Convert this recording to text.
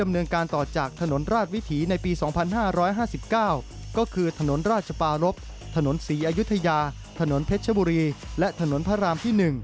เมื่อที่จะได้การรับสนุนการที่๑